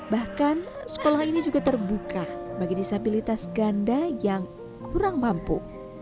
bahkan sekolah ini juga terbuka bagi disabilitas ganda yang kurang mampu